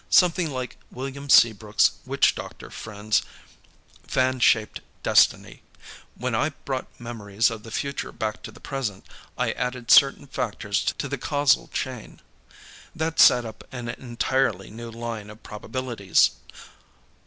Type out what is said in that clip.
Something like William Seabrook's witch doctor friend's Fan Shaped Destiny. When I brought memories of the future back to the present, I added certain factors to the causal chain. That set up an entirely new line of probabilities.